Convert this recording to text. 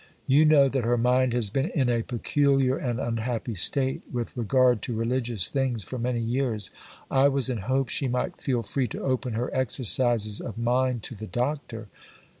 You know that her mind has been in a peculiar and unhappy state with regard to religious things for many years. I was in hopes she might feel free to open her exercises of mind to the Doctor.